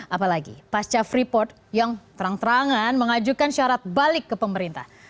apalagi pasca freeport yang terang terangan mengajukan syarat balik ke pemerintah